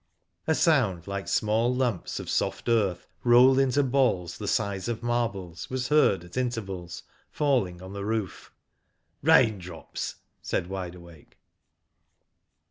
A sound like small lumps of soft earth, rolled into balls the size of marbles, was heard at intervals falling on the roof. *' Rain drops !" said Wide Awake.